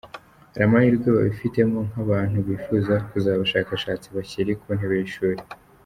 Hari amahirwe babifitemo nk’abantu bifuza kuzaba abashakashatsi bakiri ku ntebe y’ishuri.